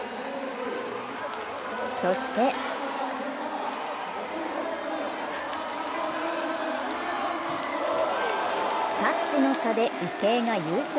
そして、タッチの差で池江が優勝。